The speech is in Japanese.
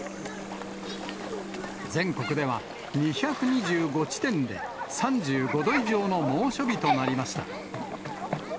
全国では、２２５地点で３５度以上の猛暑日となりました。